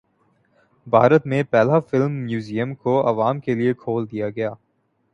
بھارت میں پہلے film museum کو عوام کے لیے کھول دیا گیا